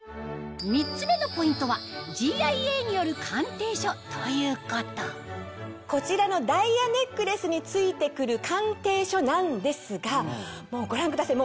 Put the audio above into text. ３つ目のポイントはこちらのダイヤネックレスに付いてくる鑑定書なんですがご覧ください